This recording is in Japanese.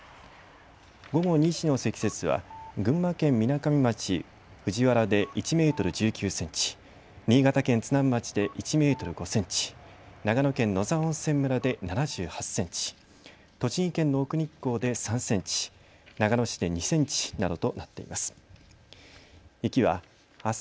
午後２時の積雪は群馬県みなかみ町藤原で１メートル１９センチ、新潟県津南町で１メートル５センチ、長野県野沢温泉村で７８センチ、栃木県の奥日光で３センチ、長野市で２センチなどとなっています。